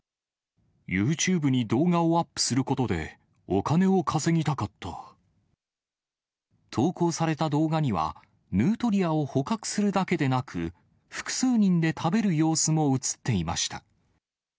ユーチューブに動画をアップすることで、投稿された動画には、ヌートリアを捕獲するだけでなく、複数人で食べる様子も写っていました。